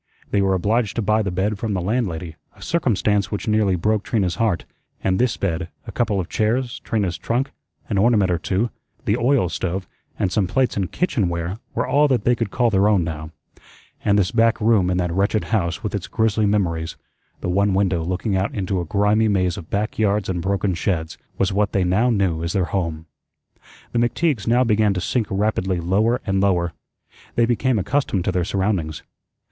They were obliged to buy the bed from the landlady, a circumstance which nearly broke Trina's heart; and this bed, a couple of chairs, Trina's trunk, an ornament or two, the oil stove, and some plates and kitchen ware were all that they could call their own now; and this back room in that wretched house with its grisly memories, the one window looking out into a grimy maze of back yards and broken sheds, was what they now knew as their home. The McTeagues now began to sink rapidly lower and lower. They became accustomed to their surroundings.